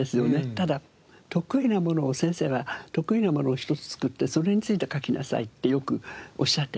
ただ得意なものを先生は得意なものを一つ作ってそれについて書きなさいってよくおっしゃってて。